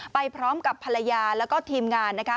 ไปพร้อมกับภรรยาแล้วก็ทีมงานนะคะ